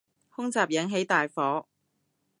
空襲引起大火